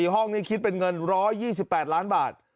ห้องนี้คิดเป็นเงิน๑๒๘ล้านบาท